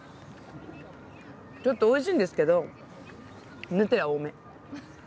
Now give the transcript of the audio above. ちょっとおいしいんですけどヌテラ多め。